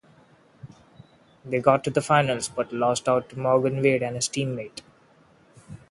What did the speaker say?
They got to the finals but lost out to Morgan Wade and his teammate.